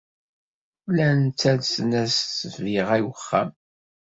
Llan ttalsen-as ssbiɣa i wexxam.